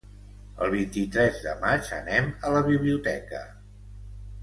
El vint-i-tres de maig anem a la biblioteca.